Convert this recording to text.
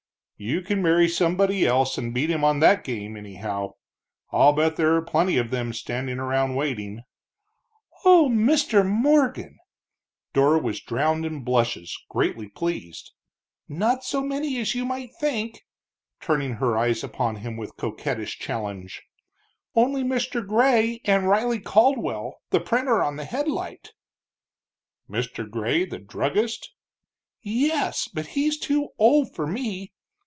"You can marry somebody else and beat him on that game, anyhow. I'll bet there are plenty of them standing around waiting." "O Mr. Morgan!" Dora was drowned in blushes, greatly pleased. "Not so many as you might think," turning her eyes upon him with coquettish challenge, "only Mr. Gray and Riley Caldwell, the printer on the Headlight." "Mr. Gray, the druggist?" "Yes, but he's too old for me!"